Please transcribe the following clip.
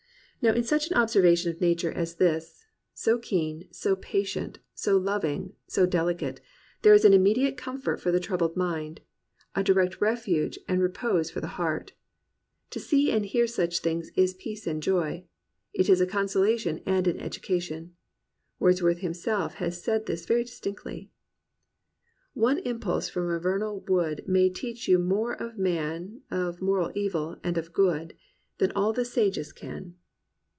Now in such an observation of Nature as this, so keen, so patient, so loving, so delicate, there is an immediate comfort for the troubled mind, a direct refuge and repose for the heart. To see and hear such things is peace and joy. It is a consola tion and an education. Wordsworth himself has said this very distinctly. "One impulse from a vernal wood May teach you more of man Of moral evil and of good Than all the sages can."